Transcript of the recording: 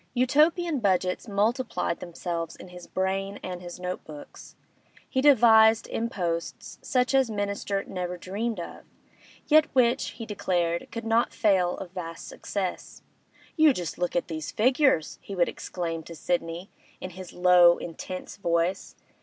Utopian budgets multiplied themselves in his brain and his note books. He devised imposts such as Minister never dreamt of, yet which, he declared, could not fail of vast success. 'You just look at these figures!' he would exclaim to Sidney, in his low, intense voice.